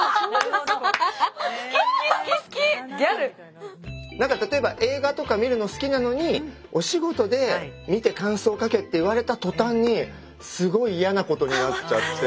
なのでなんか例えば映画とか見るの好きなのにお仕事で見て感想書けって言われた途端にすごい嫌なことになっちゃって。